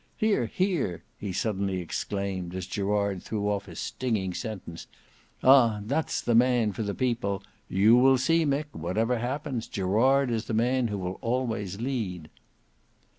Hear, hear," he suddenly exclaimed, as Gerard threw off a stinging sentence. "Ah! that's the man for the people. You will see, Mick, whatever happens, Gerard is the man who will always lead."